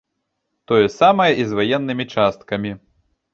Тое самае і з ваеннымі часткамі.